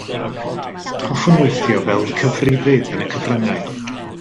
Hoffwn weithio fel cyfrifydd yn y cyfryngau